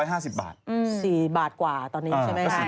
๕๐บาท๔บาทกว่าตอนนี้ใช่ไหม